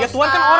ya tuhan kan orang